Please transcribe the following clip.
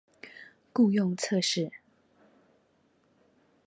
雇用測試